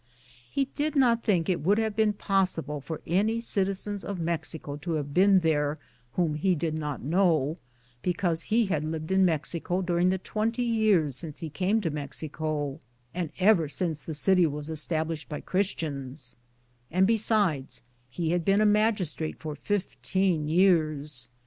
He did not think it would have been possi ble for any citizens of Mexico to have been there whom he did not know, because he had lived in Mexico during the twenty years since he came to Mexico, and ever since the city was established by Christians, and be sides, he had been a magistrate for fifteen years.